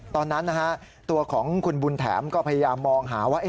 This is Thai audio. ตอนนั้นนะฮะตัวของคุณบุญแถมก็พยายามมองหาว่า